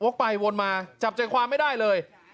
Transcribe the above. หว๊ากไปเวิลมาจับใจความไม่ได้เลย